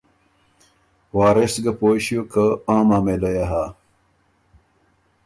وارث ګه پویٛ ݭیوک که آ معامېلۀ يې هۀ،